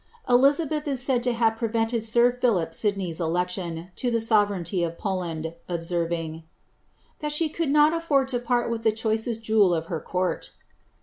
Elisabeth is said to have prevented sir PhUip Sidney's election to the sovereignly of Poland, observing, " That she could not afToid to pari with Ihe choicest jewel of her court."